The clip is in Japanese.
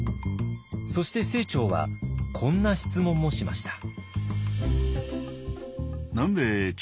そして清張はこんな質問もしました。